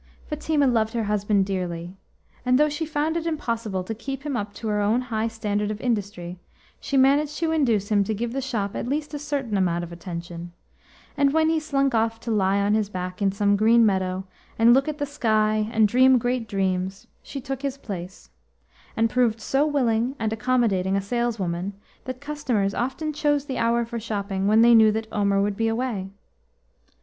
Fatima loved her husband dearly, and though she found it impossible to keep him up to her own high standard of industry, she managed to induce him to give the shop at least a certain amount of attention, and when he slunk off to lie on his back in some green meadow and look at the sky and dream great dreams, she took his place, and proved so willing and accommodating a saleswoman that customers often chose the hour for shopping when they knew that Omer would be away.